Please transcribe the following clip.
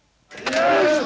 よいしょ！